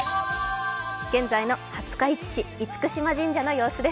現在の廿日市市厳島神社の様子です。